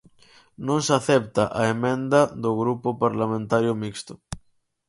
Non se acepta a emenda do Grupo Parlamentario Mixto.